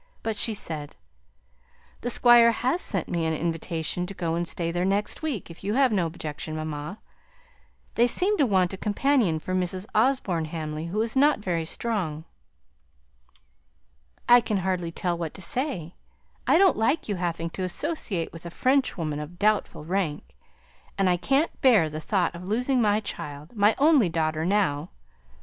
But she said, "The Squire has sent me an invitation to go and stay there next week if you have no objection, mamma. They seem to want a companion for Mrs. Osborne Hamley, who is not very strong." "I can hardly tell what to say, I don't like your having to associate with a Frenchwoman of doubtful rank; and I can't bear the thought of losing my child my only daughter now.